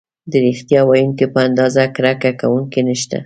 د ریښتیا ویونکي په اندازه کرکه کوونکي نشته.